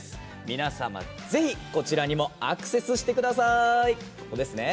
皆様、ぜひ、こちらにもアクセスしてください。